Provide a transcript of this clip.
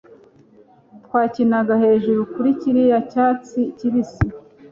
Twakinaga hejuru kuri kiriya cyatsi kibisi